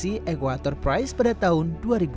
seperti eguator prize pada tahun dua ribu lima belas